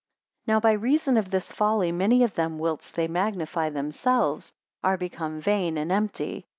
201 Now by reason of this folly many of them whilst they magnify themselves, are become vain and empty.